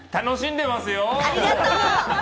楽しんでますよ！